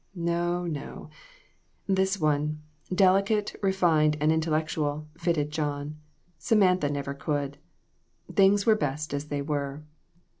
No, no; this one delicate, refined, and intel lectual fitted John. Samantha never could. Things were best as they were.